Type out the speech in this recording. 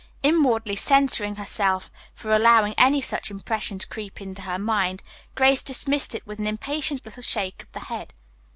Inwardly censuring herself for allowing any such impression to creep into her mind, Grace dismissed it with an impatient little shake of the head.